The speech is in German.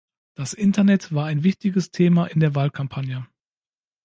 Das Internet war ein wichtiges Thema in der Wahlkampagne.